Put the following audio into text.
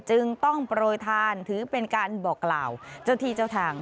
จึงต้องโปรยทานถือเป็นการบอกกล่าวเจ้าที่เจ้าทาง